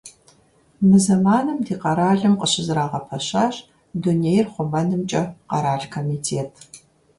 Мы зэманым ди къэралым къыщызэрагъэпэщащ Дунейр хъумэнымкӀэ къэрал комитет.